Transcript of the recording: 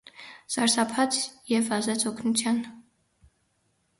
սարսափած և վազեց օգնության: